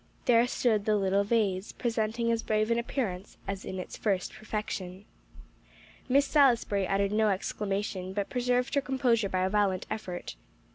[Illustration: THERE STOOD THE LITTLE VASE, PRESENTING AS BRAVE AN APPEARANCE AS IN ITS FIRST PERFECTION.] Miss Salisbury uttered no exclamation, but preserved her composure by a violent effort.